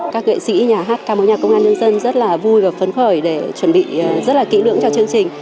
các nghệ sĩ nhà hát ca mối nhạc công an nhân dân rất là vui và phấn khởi để chuẩn bị rất là kỹ lưỡng cho chương trình